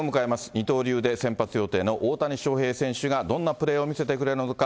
二刀流で先発予定の大谷翔平選手がどんなプレーを見せてくれるのか。